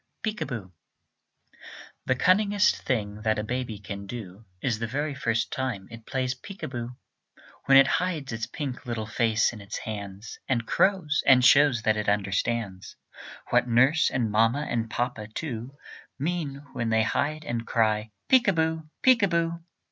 PEEK A BOO The cunningest thing that a baby can do Is the very first time it plays peek a boo; When it hides its pink little face in its hands, And crows, and shows that it understands What nurse, and mamma and papa, too, Mean when they hide and cry, "Peek a boo, peek a boo."